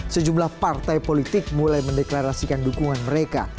sejumlah partai politik mulai mendeklarasikan dukungan mereka